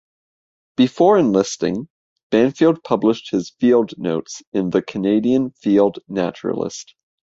Before enlisting Banfield published his field notes in the "Canadian Field Naturalist".